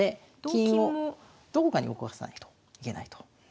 金をどこかに動かさないといけないと。